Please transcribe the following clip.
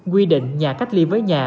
quy định nhà cách ly với nhà